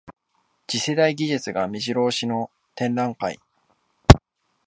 次世代技術がめじろ押しの展覧会